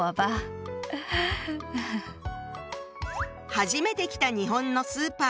初めて来た日本のスーパー。